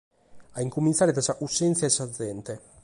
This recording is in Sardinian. A cumintzare dae sa cussèntzia de sa gente.